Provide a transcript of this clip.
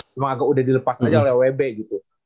cuma agak udah dilepas aja oleh wb gitu